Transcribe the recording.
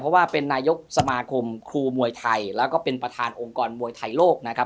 เพราะว่าเป็นนายกสมาคมครูมวยไทยแล้วก็เป็นประธานองค์กรมวยไทยโลกนะครับ